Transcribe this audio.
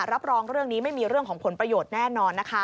รับรองเรื่องนี้ไม่มีเรื่องของผลประโยชน์แน่นอนนะคะ